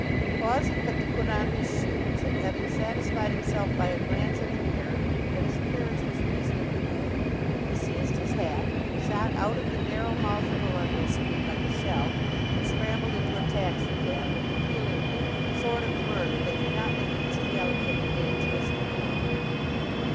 Pausing but to put on his shoes, and having satisfied himself by a glance in the mirror that his appearance was reasonably good, he seized his hat, shot out of the narrow mouth of Arundell Street like a shell, and scrambled into a taxicab, with the feeling that short of murder they could not make it too delicate and dangerous for him.